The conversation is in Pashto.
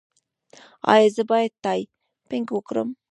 ایا زه باید ټایپینګ وکړم؟